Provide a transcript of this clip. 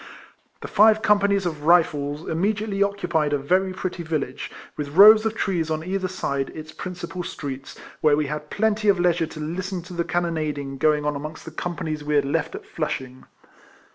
The five com panies of Kifles immediately occupied a very pretty village, with rows of trees on either side its principal streets, where we had plenty of leisure to listen to the cannon ading going on amongst the companies we had left at Flushing.